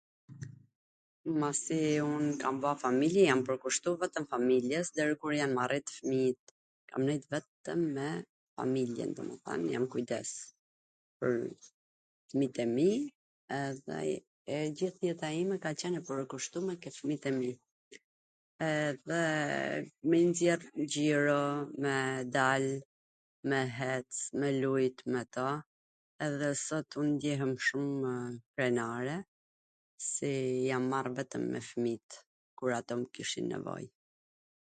Masi un kam ba familje, i jam pwrkushtu vetwm familjes dhe deri kur jan rrit fmijt kam nejt vetwm me familjen, domethan jam kujdes pwr fmijt e mi edhe e gjith jeta ime ka qwn e pwrkushtume ke fmijt e mi, edhe me i nxjerr xhiro, me dal me hec me lujt me ta edhe sot ndjehem shumw krenare si jam marr vetwm me fmijt, kur ato mw kishin nevoj.